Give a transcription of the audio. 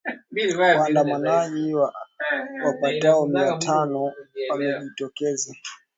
waandamanaji wapatao mia tano wamejitokeza